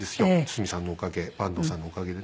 堤さんのおかげ板東さんのおかげでね。